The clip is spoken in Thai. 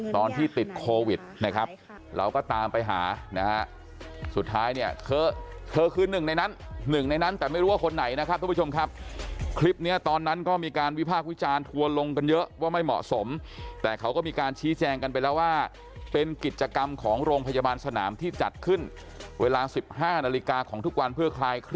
ตอนที่ติดโควิดนะครับเราก็ตามไปหานะฮะสุดท้ายเนี่ยเธอคือหนึ่งในนั้นหนึ่งในนั้นแต่ไม่รู้ว่าคนไหนนะครับทุกผู้ชมครับคลิปนี้ตอนนั้นก็มีการวิพากษ์วิจารณ์ทัวร์ลงกันเยอะว่าไม่เหมาะสมแต่เขาก็มีการชี้แจงกันไปแล้วว่าเป็นกิจกรรมของโรงพยาบาลสนามที่จัดขึ้นเวลา๑๕นาฬิกาของทุกวันเพื่อคลาย